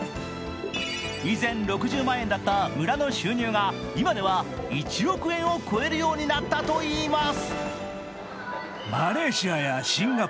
以前、６０万円だった村の収入が今では１億円を超えるようになったといいます。